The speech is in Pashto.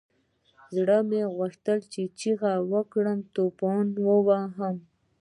زړه مې غوښتل چې چيغه وكړم ټوپونه ووهم.